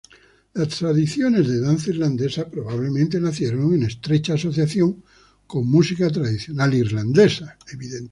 Las tradiciones de danza Irlandesa probablemente nacieron en estrecha asociación con música tradicional irlandesa.